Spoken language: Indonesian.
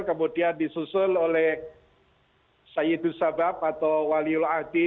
kemudian disusul oleh sayyidus sabab atau waliul ahdi